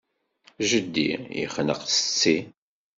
Jeddi yexneq setti.